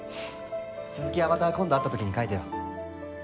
続きはまた今度会った時に描いてよ。